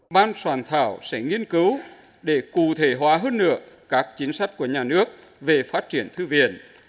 ban soạn thảo sẽ nghiên cứu để cụ thể hóa hơn nữa các chính sách của nhà nước về phát triển thư viện